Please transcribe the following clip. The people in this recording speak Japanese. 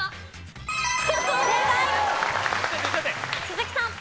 鈴木さん。